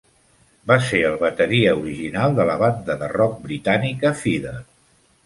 Va ser el bateria original de la banda de rock britànica Feeder.